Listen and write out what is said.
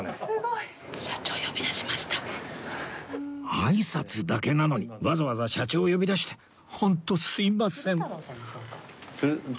あいさつだけなのにわざわざ社長を呼び出してホントすみません